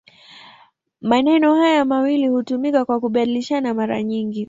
Maneno haya mawili hutumika kwa kubadilishana mara nyingi.